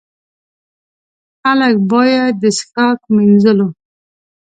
خلک باید د څښاک، مینځلو.